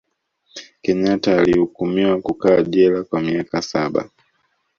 kenyata alihukumiwa kukaa jela kwa miaka saba